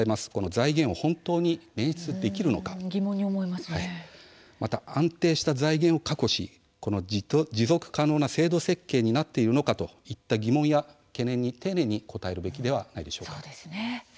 財源を本当に捻出できるのかまた安定した財源を確保し持続可能な制度設計になっているのかといった疑問や懸念に丁寧に答えるべきではないでしょうか。